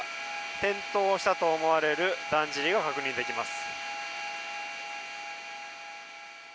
転倒したと思われるだんじりが確認できます。